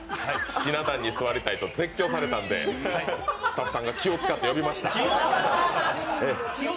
ひな壇に座りたい！と絶叫されたので、スタッフさんが気を使って呼びました。